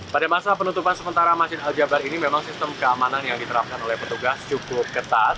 pada masa penutupan sementara masjid al jabar ini memang sistem keamanan yang diterapkan oleh petugas cukup ketat